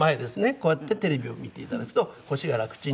こうやってテレビを見ていただくと腰が楽ちんという。